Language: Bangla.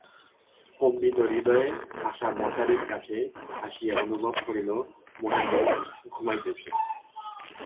কম্পিতহৃদয়ে আশা মশারির কাছে আসিয়া অনুভব করিল, মহেন্দ্র ঘুমাইতেছে।